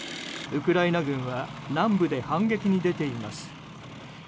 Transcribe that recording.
ウクライナ軍は南部で反撃に出ています。